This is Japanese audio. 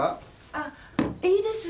あっいいです。